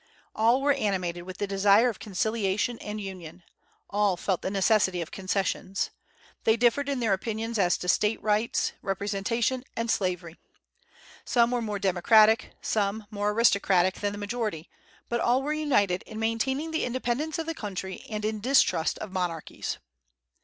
All were animated with the desire of conciliation and union. All felt the necessity of concessions. They differed in their opinions as to State rights, representation, and slavery. Some were more democratic, and some more aristocratic than the majority, but all were united in maintaining the independence of the country and in distrust of monarchies.